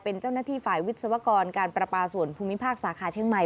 เป็นเจ้าหน้าที่ฝ่ายวิศวกรการประปาส่วนภูมิภาคสาขาเชียงใหม่